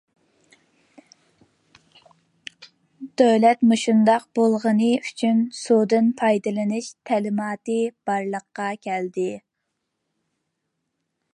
دەل مۇشۇنداق بولغىنى ئۈچۈن« سۇدىن پايدىلىنىش» تەلىماتى بارلىققا كەلدى.